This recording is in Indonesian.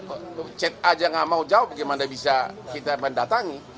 oh chat aja nggak mau jawab bagaimana bisa kita mendatangi